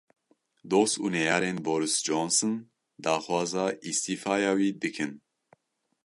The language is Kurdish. Dost û neyarên Boris Johnson daxwaza îstîfaya wî dikin.